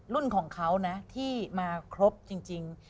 รุ่นของเขานะที่มาครบจริง